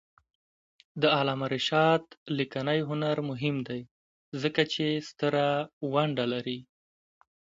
د علامه رشاد لیکنی هنر مهم دی ځکه چې ستره ونډه لري.